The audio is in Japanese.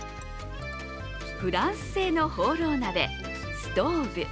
フランス製のホーロー鍋、ストウブ。